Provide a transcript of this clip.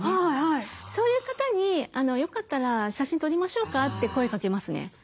そういう方に「よかったら写真撮りましょうか？」って声かけますね。